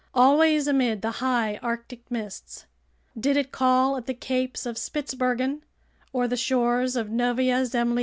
Always amid the High Arctic mists! Did it call at the capes of Spitzbergen or the shores of Novaya Zemlya?